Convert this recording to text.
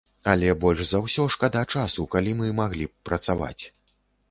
Але больш за ўсё шкада часу, калі мы маглі б працаваць.